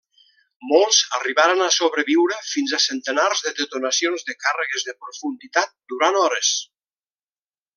Molts arribaren a sobreviure fins a centenars de detonacions de càrregues de profunditat durant hores.